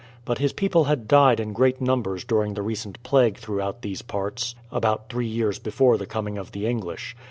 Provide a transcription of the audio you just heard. But his people had died in great numbers during the recent plague throughout these parts, about three years before the coming of the English.